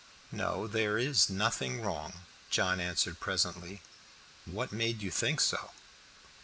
"No, there is nothing wrong," John answered presently; "what made you think so?"